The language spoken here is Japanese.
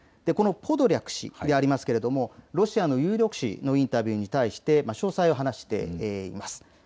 このポドリャク氏でありますがロシアの有力紙のインタビューに対して詳細を話しています。